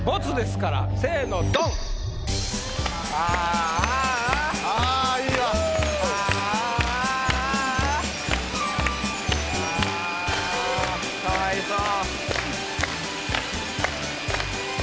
かわいそう。